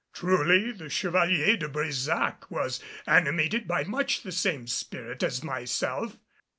Truly the Chevalier de Brésac was animated by much the same spirit as myself.